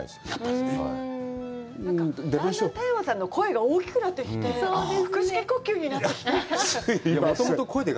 だんだん田山さんの声が大きくなってきて、腹式呼吸になってきて。